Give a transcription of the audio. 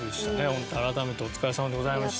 ホント改めてお疲れさまでございました。